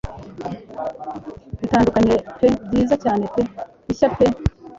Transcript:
Bitandukanye rero pe byiza cyane pe bishya pe